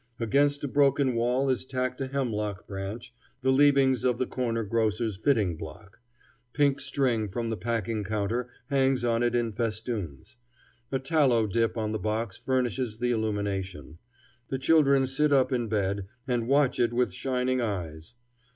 Against a broken wall is tacked a hemlock branch, the leavings of the corner grocer's fitting block; pink string from the packing counter hangs on it in festoons. A tallow dip on the box furnishes the illumination. The children sit up in bed, and watch it with shining eyes.